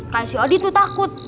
kan si odi tuh takut